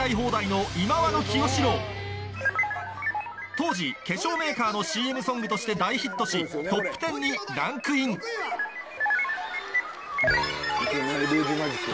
当時化粧メーカーのＣＭソングとして大ヒットしトップテンにランクイン『い・け・な・いルージュマジック』。